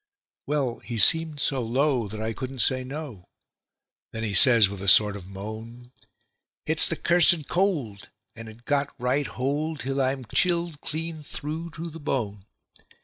Well, he seemed so low that I couldn't say no; then he says with a sort of moan: "It's the cursed cold, and it's got right hold till I'm chilled clean through to the bone.